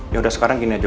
yaudah sekarang gini aja